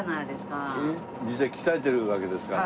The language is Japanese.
実際鍛えてるわけですから。